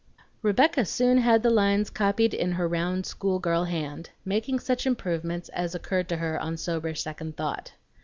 Rebecca soon had the lines copied in her round school girl hand, making such improvements as occurred to her on sober second thought.